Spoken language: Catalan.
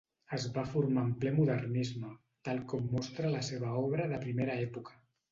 Es va formar en ple modernisme, tal com mostra la seva obra de primera època.